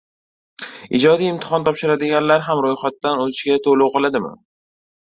Ijodiy imtihon topshiradiganlar ham ro‘yxatdan o‘tishda to‘lov qiladimi?